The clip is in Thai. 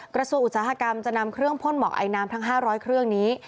กระทรวงอุตสาหกรรมจะนำเครื่องพ่นหมอกไอน้ำทั้ง๕๐๐เครื่องนี้